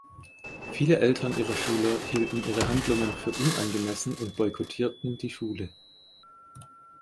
Viele Eltern ihrer Schüler hielten ihre Handlungen für unangemessen und boykottierten die Schule.